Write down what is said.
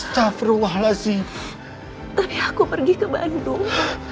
tapi aku pergi ke bandung